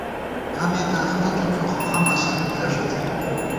غمے تہ اختہ تھنئیک خو غم اسہ دُنیا ݭڅی